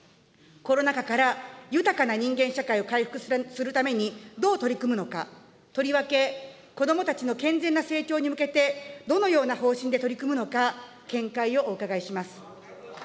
コロナ禍から、豊かな人間社会を回復するためにどう取り組むのか、とりわけ、子どもたちの健全な成長に向けて、どのような方針で取り組むのか、見解をお伺いします。